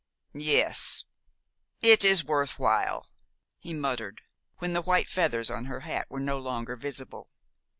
"Yes, it is worth while," he muttered, when the white feathers on her hat were no longer visible.